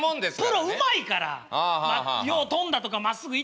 プロうまいからよう飛んだとかまっすぐ行ったぐらい。